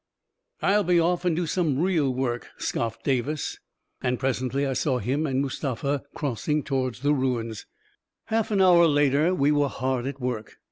" I'll be off and do some real work !" scoffed Davis, and presently I saw him and Mustafa cross ing toward the ruins. Half an hour later, we were hard at work.